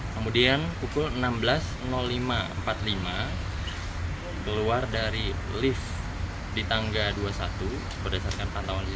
kemudian pukul enam belas lima empat puluh lima keluar dari lift di tanggal dua puluh satu berdasarkan pantauan lima